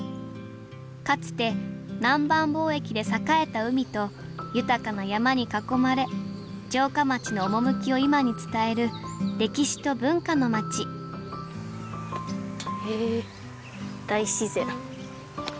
かつて南蛮貿易で栄えた海と豊かな山に囲まれ城下町の趣を今に伝える歴史と文化の町へえ大自然。